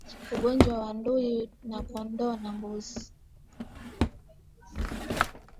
Ugonjwa wa ndui ya kondoo na mbuzi